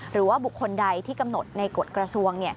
หรือว่าบุคคลใดที่กำหนดในกฎกระทรวง